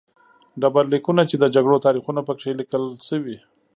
ډبرلیکونه چې د جګړو تاریخونه په کې لیکل شوي